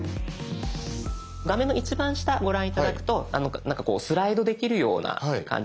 画面の一番下ご覧頂くとこうスライドできるような感じになってますよね。